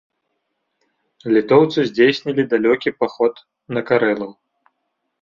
Літоўцы здзейснілі далёкі паход на карэлаў.